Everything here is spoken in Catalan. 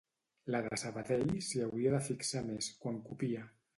La de Sabadell s'hi hauria de fixar més, quan copia